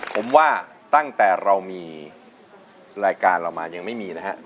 ผมว่าตั้งแต่เรามีรายการเรามายังไม่มีนะครับ